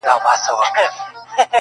محتسب به له قمچیني سره ښخ وي؛